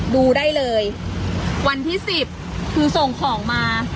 ดูได้เลยวันที่สิบคือส่งของมา